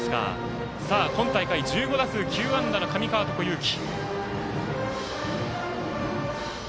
今大会１５打数９安打の上川床勇希。